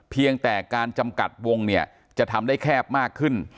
เพียงแต่การจำกัดวงเนี่ยจะทำได้แคบมากขึ้น